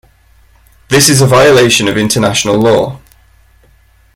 This is a violation of international law.